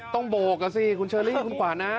ต้องโบกละสิคุณเชอรี่คุณขวานนะ